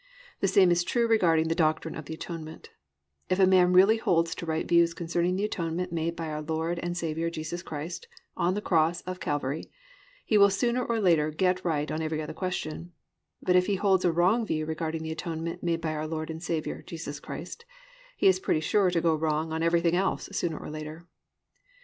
The same is true regarding the doctrine of the Atonement: If a man really holds to right views concerning the Atonement made by our Lord and Saviour Jesus Christ on the Cross of Calvary, he will sooner or later get right on every other question; but if he holds a wrong view regarding the Atonement made by our Lord and Saviour Jesus Christ, he is pretty sure to go wrong on everything else sooner or later.